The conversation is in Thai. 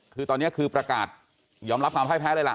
คือตอนนี้คือประกาศยอมรับความพ่ายแพ้เลยล่ะ